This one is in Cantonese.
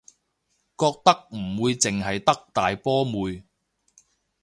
覺得唔會淨係得大波妹